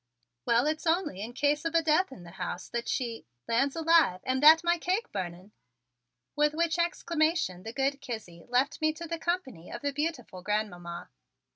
"Well, it's only in case of a death in the house that she Lands alive, am that my cake burning?" With which exclamation the good Kizzie left me to the company of the beautiful Grandmamma.